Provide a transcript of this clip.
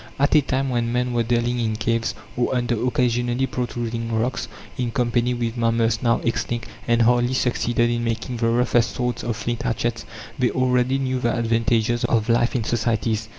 At a time when men were dwelling in caves, or under occasionally protruding rocks, in company with mammals now extinct, and hardly succeeded in making the roughest sorts of flint hatchets, they already knew the advantages of life in societies.